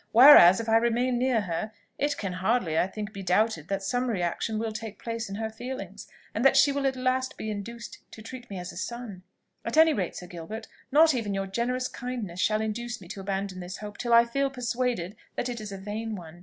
Whereas if I remain near her, it can hardly, I think, be doubted that some reaction will take place in her feelings, and that she will at last be induced to treat me as a son. At any rate, Sir Gilbert, not even your generous kindness shall induce me to abandon this hope till I feel persuaded that it is a vain one.